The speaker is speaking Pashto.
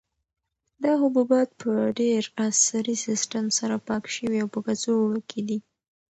دا حبوبات په ډېر عصري سیسټم سره پاک شوي او په کڅوړو کې دي.